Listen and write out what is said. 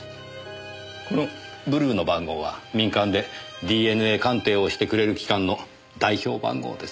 このブルーの番号は民間でＤＮＡ鑑定をしてくれる機関の代表番号です。